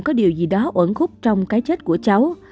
có điều gì đó ổn khúc trong cái chết của cháu